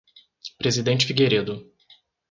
Presidente Figueiredo